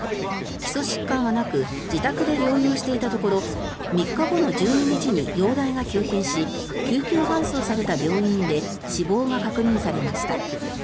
基礎疾患はなく自宅で療養していたところ３日後の１２日に容体が急変し救急搬送された病院で死亡が確認されました。